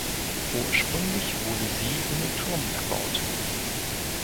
Ursprünglich wurde sie ohne Turm erbaut.